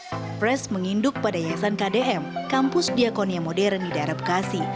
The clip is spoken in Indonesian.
everest menginduk pada yayasan kdm kampus diakon yang modern di daerah bekasi